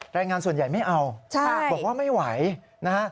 แรงงานส่วนใหญ่ไม่เอาบอกว่าไม่ไหวนะฮะ